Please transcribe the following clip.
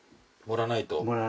盛らないと。